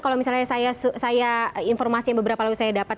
kalau misalnya saya informasi beberapa kali saya dapat